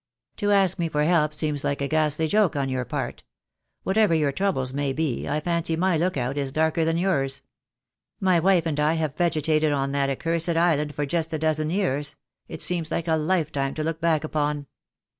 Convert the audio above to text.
"To ask me for help seems like a ghastly joke on your part. Whatever your troubles may be, I fancy my lookout is darker than yours. My wife and I have vegetated on that accursed island for just a dozen years —it seems like a lifetime to look back upon.